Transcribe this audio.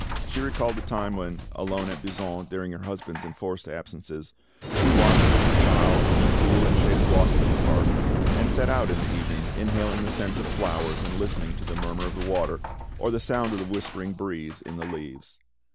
She recalled the time when, alone at Buisson during her husband's enforced absences, she wandered with her child in the cool and shaded walks of the park, and sat out in the evening, inhaling the scent of the flowers, and listening to the murmur of the water, or the sound of the whispering breeze in the leaves.